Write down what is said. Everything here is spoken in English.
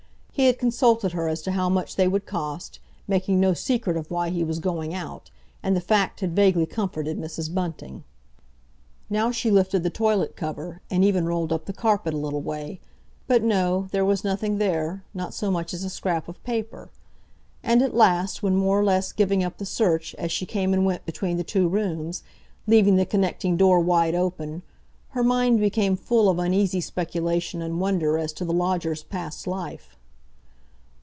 He had consulted her as to how much they would cost, making no secret of why he was going out, and the fact had vaguely comforted Mrs. Bunting. Now she lifted the toilet cover, and even rolled up the carpet a little way, but no, there was nothing there, not so much as a scrap of paper. And at last, when more or less giving up the search, as she came and went between the two rooms, leaving the connecting door wide open, her mind became full of uneasy speculation and wonder as to the lodger's past life.